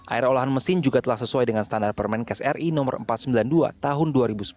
air olahan mesin juga telah sesuai dengan standar permenkes ri no empat ratus sembilan puluh dua tahun dua ribu sepuluh